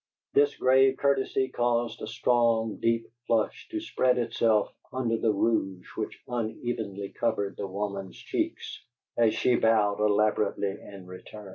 This grave courtesy caused a strong, deep flush to spread itself under the rouge which unevenly covered the woman's cheeks, as she bowed elaborately in return.